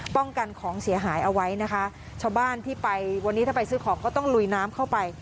ป้องกันของเสียหายเอาไว้นะคะชาวบ้านที่ไปวันนี้ถ้าไปซื้อของก็ต้องลุยน้ำเข้าไป